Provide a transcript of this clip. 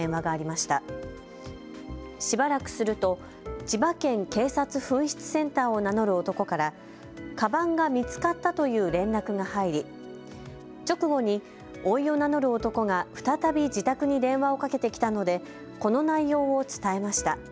しばらくすると千葉県警察紛失センターを名乗る男から、かばんが見つかったという連絡が入り直後に、おいを名乗る男が再び自宅に電話をかけてきたのでこの内容を伝えました。